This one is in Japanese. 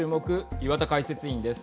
岩田解説委員です。